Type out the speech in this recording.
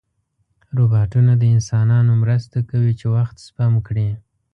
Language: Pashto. روبوټونه د انسانانو مرسته کوي چې وخت سپم کړي.